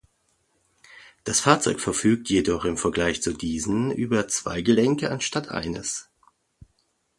Das Fahrzeug verfügt jedoch im Vergleich zu diesen über zwei Gelenke anstatt eines.